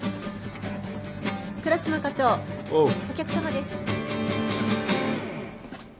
倉島課長お客様です